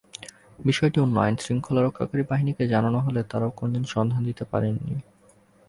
বিষয়টি অন্য আইনশৃঙ্খলা রক্ষাকারী বাহিনীকে জানানো হলে তারাও কোনো সন্ধান দিতে পারেনি।